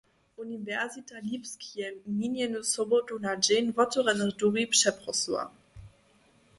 Uniwersita Lipsk je minjenu sobotu na dźeń wotewrjenych duri přeprosyła.